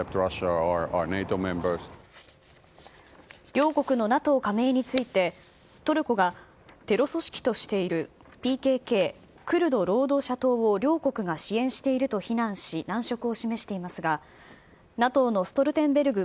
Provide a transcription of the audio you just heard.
両国のＮＡＴＯ加盟について、トルコがテロ組織としているＰＫＫ・クルド労働者党を両国が支援していると非難し、難色を示していますが、ＮＡＴＯのストルテンベルグ